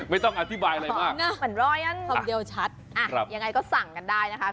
ไม่ต้องอธิบายอะไรมากคำเดียวชัดยังไงก็สั่งกันได้นะคะ